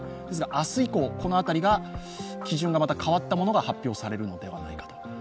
しかし、明日以降、この辺りが基準がまた変わったものが発表されるのではないか。